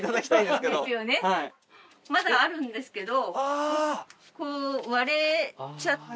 まだあるんですけど。